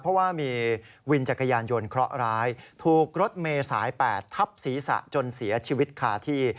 เพราะว่ามีวินจักรยานยนต์เคราะห์ร้ายถูกรถเมย์สาย๘ทับศีรษะจนเสียชีวิตคาที่